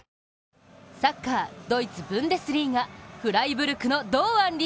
サッカードイツ・ブンデスリーガフライブルクの堂安律。